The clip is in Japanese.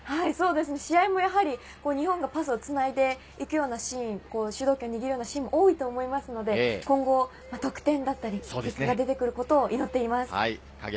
試合も日本がパスを繋いでいくようなシーン、主導権を握るシーンも多いと思うので、今後得点だったり、結果が出てくることを祈っています。